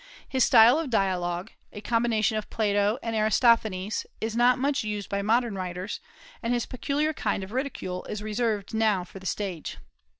His style of dialogue a combination of Plato and Aristophanes is not much used by modern writers, and his peculiar kind of ridicule is reserved now for the stage.